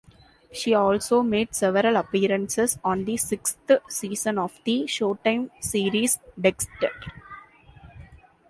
She also made several appearances on the sixth season of the Showtime series "Dexter".